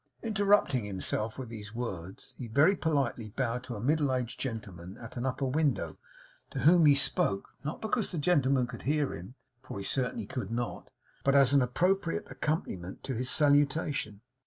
Interrupting himself with these words, he very politely bowed to a middle aged gentleman at an upper window, to whom he spoke not because the gentleman could hear him (for he certainly could not), but as an appropriate accompaniment to his salutation.